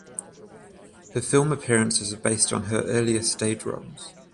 Her film appearances are based on her earlier stage roles.